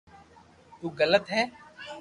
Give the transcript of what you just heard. تو غلط ھي